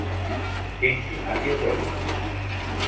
Cincinnati Royals